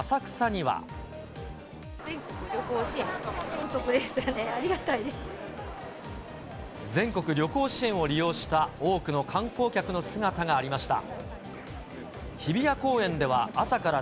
全国旅行支援、お得ですよね、全国旅行支援を利用した多くの観光客の姿がありました。